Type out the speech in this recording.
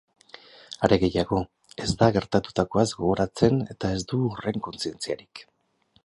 Are gehiago, ez da gertatutakoaz gogoratzen eta ez du horren kontzientziarik.